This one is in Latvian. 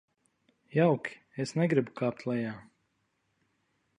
Jauki, es negribu kāpt lejā.